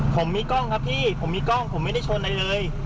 ผมมีกล้องครับพี่ผมมีกล้องผมไม่ได้ชนอะไรเลย